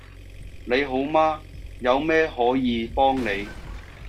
你好嗎有咩可以幫你